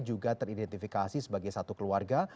juga teridentifikasi sebagai satu keluarga